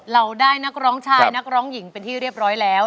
เราได้นักร้องชายนักร้องหญิงเป็นที่เรียบร้อยแล้ว